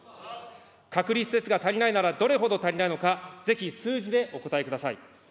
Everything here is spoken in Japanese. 隔離施設が足りないなら、どれほど足りないのか、ぜひ数字でお答えください。